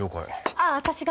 あっ私が。